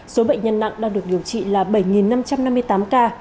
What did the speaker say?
số bệnh nhân nặng đang được điều trị là bảy năm trăm năm mươi tám ca